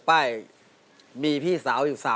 ป้ายมี๖ป้าย